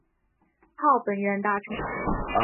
号本院大臣。